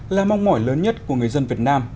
là mong mỏi lớn nhất của người dân việt nam